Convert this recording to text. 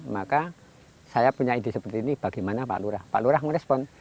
maka saya punya ide seperti ini bagaimana pak lurah pak lurah merespon